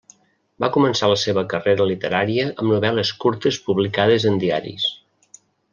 Va començar la seva carrera literària amb novel·les curtes publicades en diaris.